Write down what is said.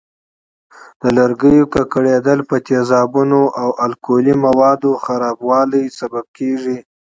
د لرګیو ککړېدل په تیزابونو او القلي موادو خرابوالي سبب کېږي.